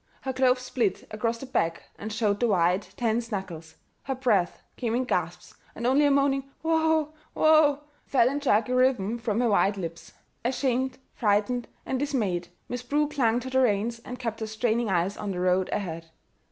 Her gloves split across the back and showed the white, tense knuckles. Her breath came in gasps, and only a moaning "whoa whoa" fell in jerky rhythm from her white lips. Ashamed, frightened, and dismayed, Miss Prue clung to the reins and kept her straining eyes on the road ahead.